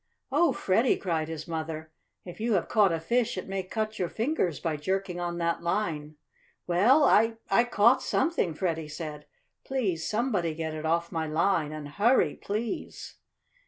"Oh, Freddie!" cried his mother. "If you have caught a fish it may cut your fingers by jerking on that line." "Well, I I caught something!" Freddie said. "Please somebody get it off my line. And hurry, please!"